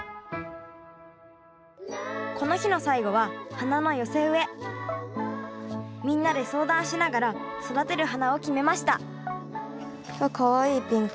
この日の最後はみんなで相談しながら育てる花を決めましたわっかわいいピンク。